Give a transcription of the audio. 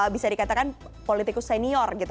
bisa dikatakan politikus senior gitu